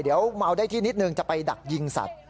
เดี๋ยวเมาได้ที่นิดนึงจะไปดักยิงสัตว์